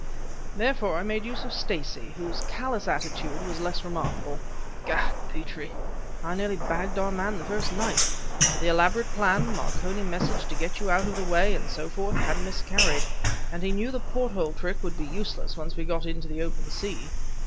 "Therefore I made use of Stacey, whose callous attitude was less remarkable. Gad, Petrie! I nearly bagged our man the first night! The elaborate plan Marconi message to get you out of the way, and so forth had miscarried, and he knew the porthole trick would be useless once we got into the open sea.